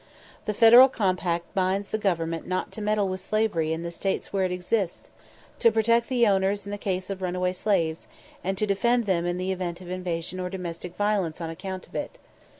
The federal compact binds the Government "not to meddle with slavery in the States where it exists, to protect the owners in the case of runaway slaves, and to defend them in the event of invasion or domestic violence on account of it."